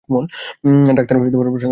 Doctor, Prashant কোন রুমে ভর্তি?